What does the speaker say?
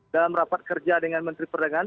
dalam rapat kerja dengan menteri perdagangan